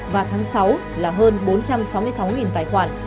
và tháng sáu là hơn bốn trăm sáu mươi sáu tài khoản